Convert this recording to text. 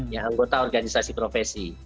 yang anggota organisasi profesi